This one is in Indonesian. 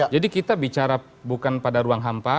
jadi kita bicara bukan pada ruang hampa